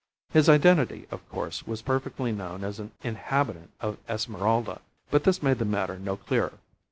His identity, of course, was perfectly known as an inhabitant of Esmeralda, but this made the matter no clearer.